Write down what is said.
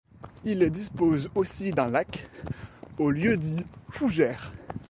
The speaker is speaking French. Il dispose aussi d'un lac, au lieu-dit Fougères.